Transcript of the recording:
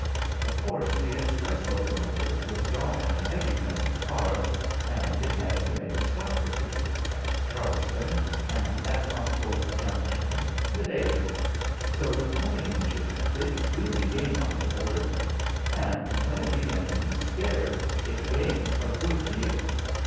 Of course the Express locomotive was drawing a heavy train of cars, and it had to make a stop or two at Charlestown, and at Concord Junction, and at Ayer so the Pony Engine did really gain on it a little; and when it began to be scared it gained a good deal.